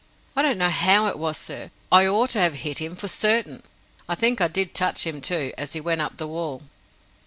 "I don't know how it was, sir. I ought to have hit him, for certain. I think I did touch him, too, as he went up the wall."